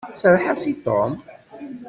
Serreḥ-as i Tom!